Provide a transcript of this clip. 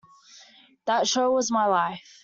That show was my life.